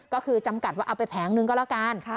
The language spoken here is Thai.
ก็คือจำกัดว่าเอาไปแผงนึงก็แล้วกัน